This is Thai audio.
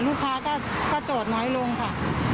ลูกค้าก็โจทย์น้อยลงค่ะ